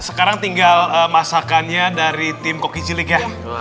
sekarang tinggal masakannya dari tim kokijilik ya